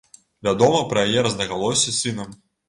Вядома пра яе рознагалоссі з сынам.